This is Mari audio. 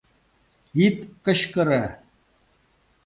— Ит кычкыре!